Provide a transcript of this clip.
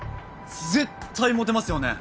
絶対モテますよね。